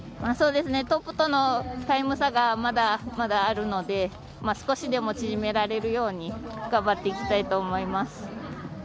トップとのタイム差がまだまだあるので少しでも縮められるように頑張っていきたいと思います。